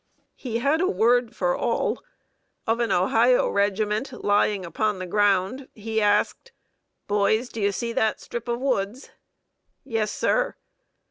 He had a word for all. Of an Ohio regiment, lying upon the ground, he asked: "Boys, do you see that strip of woods?" "Yes, sir."